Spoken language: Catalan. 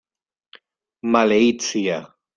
Maleït sia!